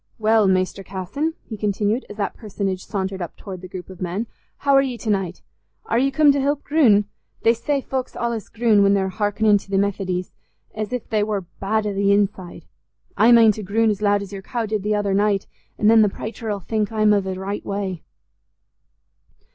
Well, Mester Casson," he continued, as that personage sauntered up towards the group of men, "how are ye t' naight? Are ye coom t' help groon? They say folks allays groon when they're hearkenin' to th' Methodys, as if they war bad i' th' inside. I mane to groon as loud as your cow did th' other naight, an' then the praicher 'ull think I'm i' th' raight way."